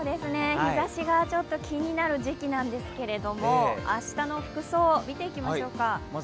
日ざしがちょっと気になる時期なんですけれども明日の服装、見ていきましょうか。